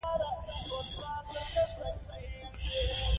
د کور لګښتونه تنظیم کړئ.